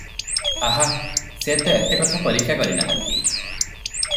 ଆହା, ସେତ ଏତେ କଥା ପରୀକ୍ଷା କରି ନାହାନ୍ତି ।